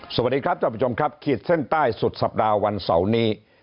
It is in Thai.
สวัสดีครับท่านผู้ชมครับขีดเส้นใต้สุดสัปดาห์วันเสาร์นี้